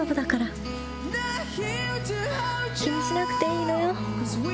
気にしなくていいのよ。